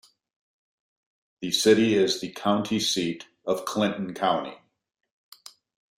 The city is the county seat of Clinton County.